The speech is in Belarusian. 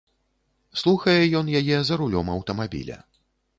Слухае ён яе за рулём аўтамабіля.